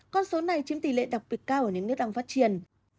con số này chiếm tỷ lệ đặc biệt cao ở những nước đang phát triển